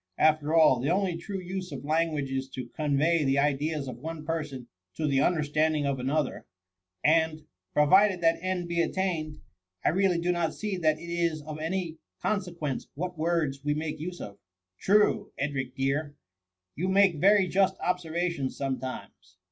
Af ter all, the only true use of language is to con* vey the ideas of one person to the understand ing of another ; and, provided that end be at tained, I really do not see that it is of any con sequence what words we make use of." True, Edric dear ! you make very just observations sometimes.